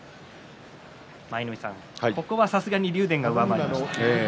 舞の海さん、ここはさすがに竜電が上回りました。